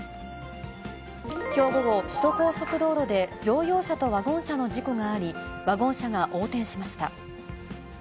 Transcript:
きょう午後、首都高速道路で乗用車とワゴン車の事故があり、ワゴン車が横転しました。